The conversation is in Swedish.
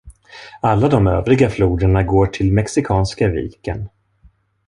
Alla de övriga floderna går till Mexikanska viken.